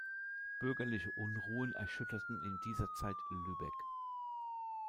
Bürgerliche Unruhen erschütterten in dieser Zeit Lübeck.